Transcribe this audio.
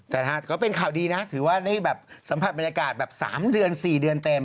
แต่ฮะก็เป็นข่าวดีนะถือว่าได้สัมผัสบรรยากาศ๓๔เดือนเต็ม